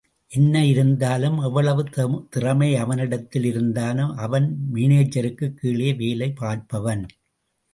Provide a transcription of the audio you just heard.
என்ன இருந்தாலும் எவ்வளவு திறமை அவனிடத்தில் இருந்தாலும், அவன் மேனேஜருக்கு கிழே வேலை பார்ப்பவன்.